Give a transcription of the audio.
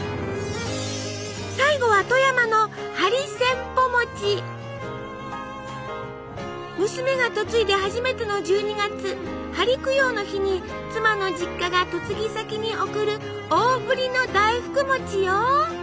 最後は富山の娘が嫁いで初めての１２月針供養の日に妻の実家が嫁ぎ先に贈る大ぶりの大福餅よ！